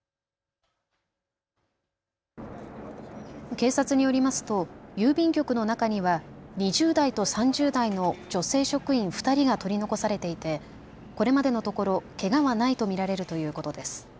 警察によりますと郵便局の中には２０代と３０代の女性職員２人が取り残されていてこれまでのところ、けがはないと見られるということです。